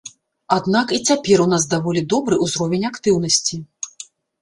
Аднак і цяпер у нас даволі добры ўзровень актыўнасці.